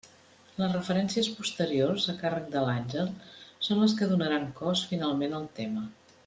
Les referències posteriors, a càrrec de l'àngel, són les que donaran cos finalment al tema.